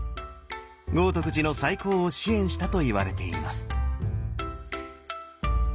豪徳寺の再興を支援したといわれています。